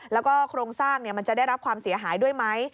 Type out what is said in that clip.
แล้วก็โครงสร้างมันจะได้รับความเสียหายด้วยไหม